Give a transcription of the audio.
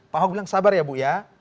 pak ahok bilang sabar ya bu ya